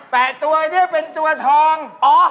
แปะตัวนี่เป็นตัวทองอ๋อ